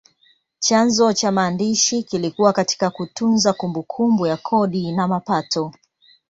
Chanzo cha maandishi kilikuwa katika kutunza kumbukumbu ya kodi na mapato.